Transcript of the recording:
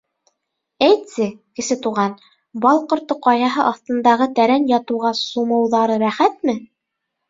Әйтсе, Кесе Туған, Бал ҡорто ҡаяһы аҫтындағы тәрән ятыуға сумыуҙары рәхәтме?